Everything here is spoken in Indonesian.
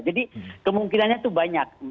jadi kemungkinannya itu banyak